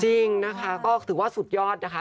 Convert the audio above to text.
จริงนะคะก็ถือว่าสุดยอดนะคะ